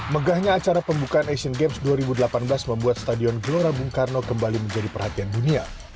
megahnya acara pembukaan asian games dua ribu delapan belas membuat stadion gelora bung karno kembali menjadi perhatian dunia